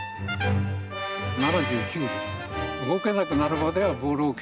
７９です。